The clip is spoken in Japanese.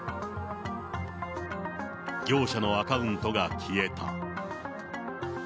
業者のアカウントが消えた。